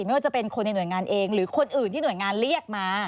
ไม่ว่าจะเป็นคนในหน่วยงานเองหรือคนอื่นที่หน่วยงานเรียกมา